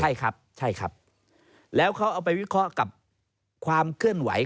ใช่ครับใช่ครับแล้วเขาเอาไปวิเคราะห์กับความเคลื่อนไหว